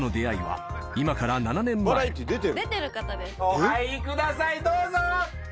お入りください、どうぞ。